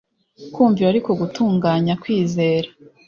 kumvira ariko gutunganya kwizera.